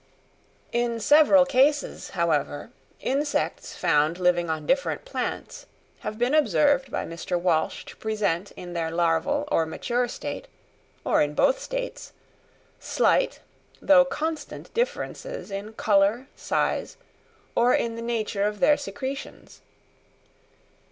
In several cases, however, insects found living on different plants, have been observed by Mr. Walsh to present in their larval or mature state, or in both states, slight, though constant differences in colour, size, or in the nature of their secretions.